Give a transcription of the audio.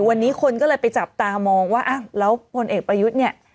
วันนี้คนก็เลยไปจับตามองว่าอ้าวแล้วพลเอกประยุทธ์เนี่ย